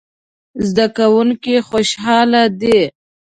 زده کوونکي خوشحاله دي